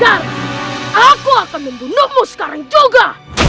dan aku akan membunuhmu sekarang juga